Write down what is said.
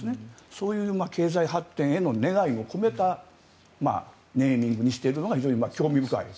そういう経済発展への願いを込めたネーミングにしているのが非常に興味深いです。